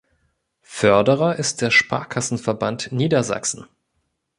Förderer ist der Sparkassenverband Niedersachsen.